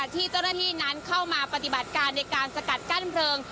ที่เจ้าหน้าที่นั้นเข้ามาปฏิบัติการในการสกัดกั้นเพลิง